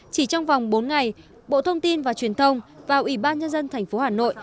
chỉ trong vòng bốn ngày bộ thông tin và truyền thông và ủy ban nhân dân tp hà nội